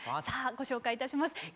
さあご紹介いたします。